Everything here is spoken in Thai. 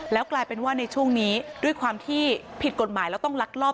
แล้วกลายเป็นว่าในช่วงนี้ด้วยความที่ผิดกฎหมายแล้วต้องลักลอบ